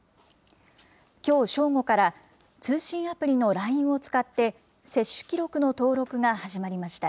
きょう正午から、通信アプリのＬＩＮＥを使って、接種記録の登録が始まりました。